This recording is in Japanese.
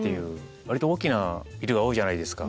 割と大きなビルが多いじゃないですか。